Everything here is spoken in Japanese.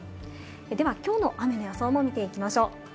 ではきょうの雨の予想も見ていきましょう。